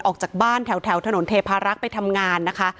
ออกจากบ้านแถวถนนเทพารักษ์ไปทำงานนะคะ